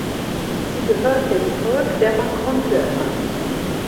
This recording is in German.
Sie gehört dem Volk der Makonde an.